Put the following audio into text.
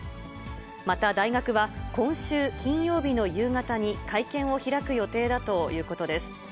また、大学は今週金曜日の夕方に会見を開く予定だということです。